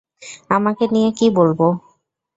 আমাকে নিয়ে কী বলবো?